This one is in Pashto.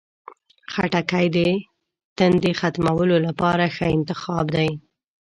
خټکی د تندې ختمولو لپاره ښه انتخاب دی.